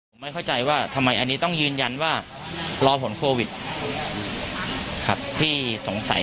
ผมไม่เข้าใจว่าทำไมอันนี้ต้องยืนยันว่ารอผลโควิดครับที่สงสัย